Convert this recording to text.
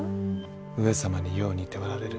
上様によう似ておられる。